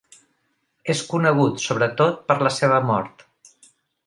És conegut, sobretot per la seva mort.